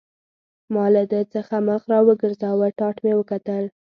ما له ده څخه مخ را وګرځاوه، ټاټ مې وکتل.